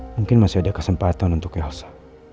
mungkin masih ada kesempatan untuk elsa